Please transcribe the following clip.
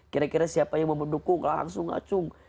kira kira siapa yang mau mendukung langsung acung